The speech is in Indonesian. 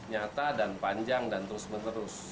nyata dan panjang dan terus menerus